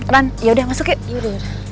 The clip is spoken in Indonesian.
ran yaudah masuk yuk